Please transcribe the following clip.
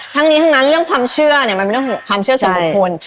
ทั้งนี้ทั้งนั้นเรื่องความเชื่อเนี่ยมันเป็นเรื่องของความเชื่อส่วนบุคคล